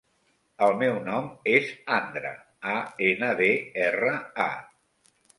El meu nom és Andra: a, ena, de, erra, a.